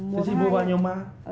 thế chị mua bao nhiêu mã